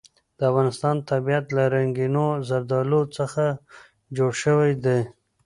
د افغانستان طبیعت له رنګینو زردالو څخه جوړ شوی دی.